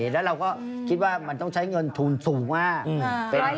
แล้วเราก็คิดว่ามันต้องใช้เงินทุนสูงมาก